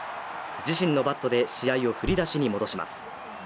自身のバットで試合を振り出しに戻します。